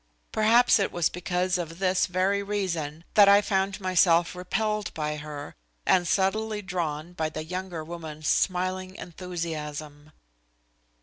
Perhaps it was because of this very reason that I found myself repelled by her, and subtly drawn by the younger woman's smiling enthusiasm.